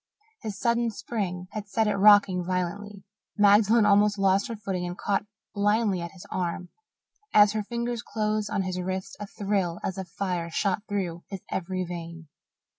His sudden spring had set it rocking violently. Magdalen almost lost her footing and caught blindly at his arm. As her fingers closed on his wrist a thrill as of fire shot through his every vein.